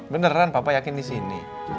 beneran bapak yakin di sini